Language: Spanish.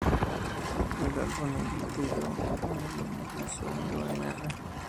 El álbum incluyó un homenaje a su amigo Mr.